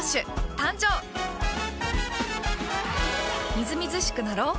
みずみずしくなろう。